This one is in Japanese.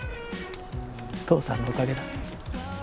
父さんのおかげだ。